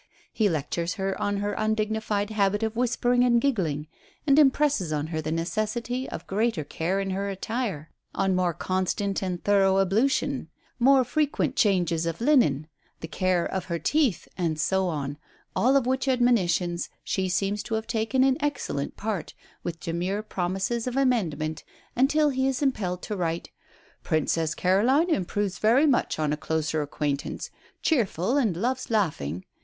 He lectures her on her undignified habit of whispering and giggling, and impresses on her the necessity of greater care in her attire, on more constant and thorough ablution, more frequent changes of linen, the care of her teeth, and so on all of which admonitions she seems to have taken in excellent part, with demure promises of amendment, until he is impelled to write, "Princess Caroline improves very much on a closer acquaintance cheerful and loves laughing.